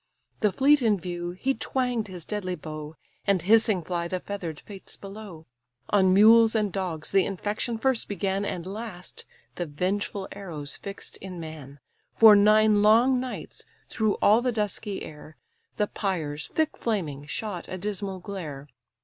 The fleet in view, he twang'd his deadly bow, And hissing fly the feather'd fates below. On mules and dogs the infection first began; And last, the vengeful arrows fix'd in man. For nine long nights, through all the dusky air, The pyres, thick flaming, shot a dismal glare.